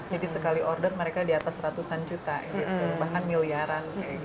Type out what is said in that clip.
jadi sekali order mereka di atas ratusan juta bahkan miliaran